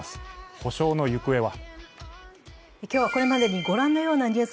補償の行方は。